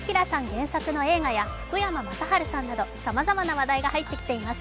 原作の映画や福山雅治さんなどさまざまな話題が入ってきています。